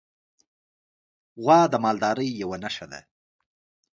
غوا د مالدارۍ یوه نښه ده.